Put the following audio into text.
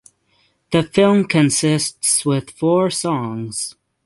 The film consists with four songs.